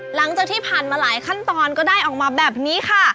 หลังจากที่ผ่านมาหลายขั้นตอนก็ได้ออกมาแบบนี้ค่ะ